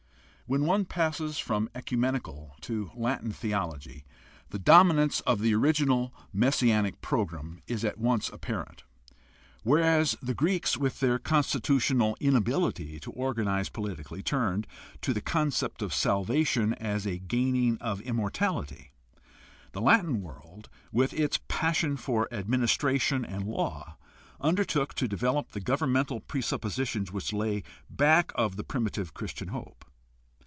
— When one passes from ecumenical to Latin theology, the dominance THE HISTORICAL STUDY OF RELIGION 65 of the original messianic program is at once apparent. Whereas the Greeks with their constitutional inability to organize politically turned to the concept of salvation as a gaining of immortality, the Latin world with its passion for administra tion and law undertook to develop the governmental pre suppositions which lay back of the primitive Christian hope.